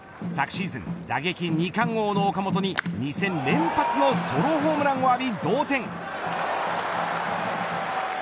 昨シーズン打撃二冠王の岡本に２戦連発のソロホームランを浴び同点。